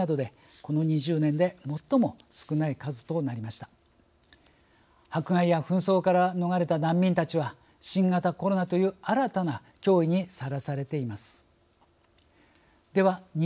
このように迫害や紛争から逃れた難民たちは新型コロナという新たな脅威にさらされています。